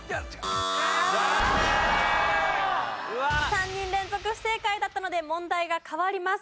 ３人連続不正解だったので問題が変わります。